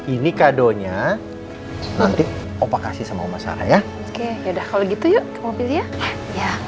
ini kadonya nanti opa kasih sama oma sarah ya oke ya udah kalau gitu yuk ke mobil ya ya